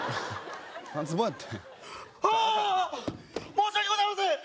申し訳ございません！